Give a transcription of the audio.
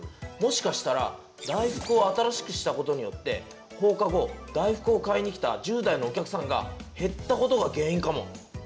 もしかしたら大福を新しくしたことによって放課後大福を買いに来た１０代のお客さんが減ったことが原因かも。